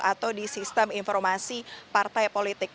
atau di sistem informasi partai politik